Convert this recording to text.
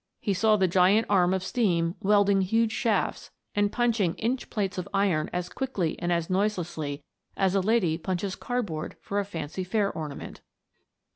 He saw the giant arm of Steam welding huge shafts, and punching inch plates of iron as quickly and as noiselessly as a lady punches cardboard for a fancy fair ornament.